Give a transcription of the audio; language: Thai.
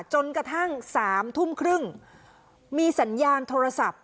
จนกระทั่ง๓ทุ่มครึ่งมีสัญญาณโทรศัพท์